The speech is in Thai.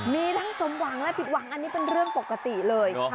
มีทั้งสมหวังและผิดหวังอันนี้เป็นเรื่องปกติเลย